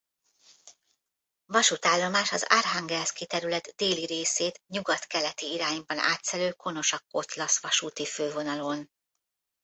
Vasútállomás az Arhangelszki terület déli részét nyugat–keleti irányban átszelő Konosa–Kotlasz vasúti fővonalon.